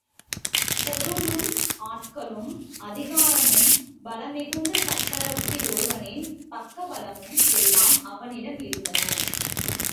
பொருளும், ஆட்களும், அதிகாரமும், பலமிகுந்த சக்கரவர்த்தி ஒருவரின் பக்க பலமும் எல்லாம் அவனிடம் இருந்தன.